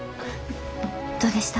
どうでした？